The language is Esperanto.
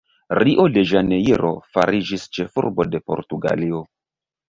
Rio-de-Ĵanejro fariĝis ĉefurbo de Portugalio.